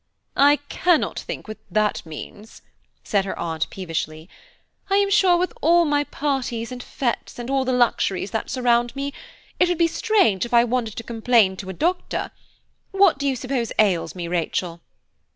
"I cannot think what you mean," said her Aunt peevishly; "I am sure with all my parties and fêtes, and all the luxuries that surround me, it would be strange if I wanted to complain to a doctor; what do you suppose ails me, Rachel?"